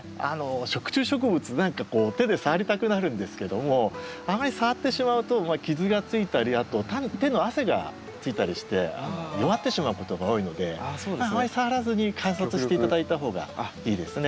食虫植物何かこう手で触りたくなるんですけどもあまり触ってしまうと傷がついたりあと手の汗がついたりして弱ってしまうことが多いのであまり触らずに観察して頂いた方がいいですね。